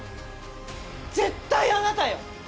絶対あなたよ！